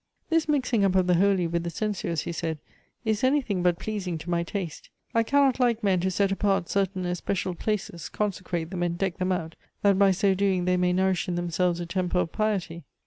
"Tliis mixing up of the holy with the sensuous," he said, " is anything but pleasing to my taste ; I cannot like men to set apart certain especial places, consecrate them, and deck them out, that by so doing they may nourish in themselves a temper of piety.